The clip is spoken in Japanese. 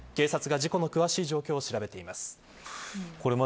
警察が事故の詳しい状況を調べています。